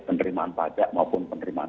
penerimaan pajak maupun penerimaan